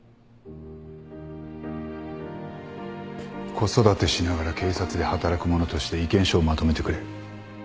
子育てしながら警察で働く者として意見書をまとめてくれ。